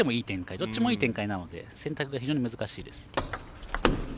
どっちでもいい展開なので選択が非常に難しいです。